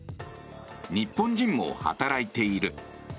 日本人も働いている。